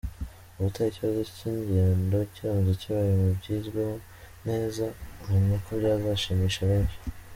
Ubutaha ikibazo cy’ingendo kiramutse kibaye mu byizweho neza, mpamya ko byazashimisha benshi.